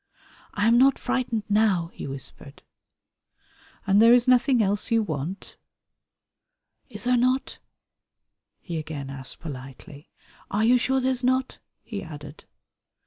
"I am not frightened now," he whispered. "And there is nothing else you want?" "Is there not?" he again asked politely. "Are you sure there's not?" he added.